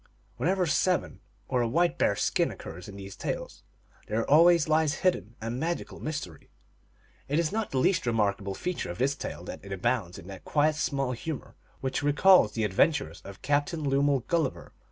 Whenever seven or a white bear s skin occurs in these tales, there always lies hidden a magical mys tery. It is not. the least remarkable feature of this tale that it abounds in that quiet small humor which re calls the adventures of Captain Lemuel Gulliver.